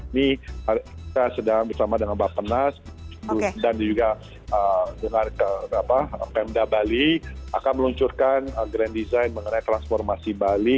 ini kita sedang bersama dengan bapak nas dan juga dengan pemda bali akan meluncurkan grand design mengenai transformasi bali